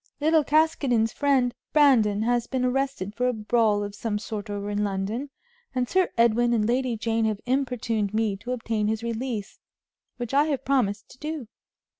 "Little Caskoden's friend, Brandon, has been arrested for a brawl of some sort over in London, and Sir Edwin and Lady Jane have importuned me to obtain his release, which I have promised to do.